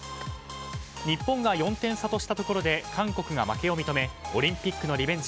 日本が４点差としたところで韓国が負けを認めオリンピックのリベンジ